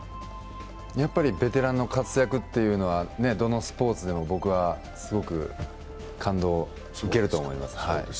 やっぱりベテランの活躍っていうのは、どのスポーツでも僕はすごく感動を受けると思います。